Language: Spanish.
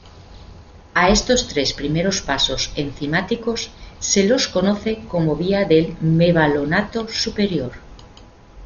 A estos tres primeros pasos enzimáticos se los conoce como vía del mevalonato superior.